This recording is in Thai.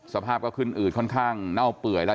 สภาพก็ขึ้นอืดค่อนข้างเน่าเปื่อยแล้ว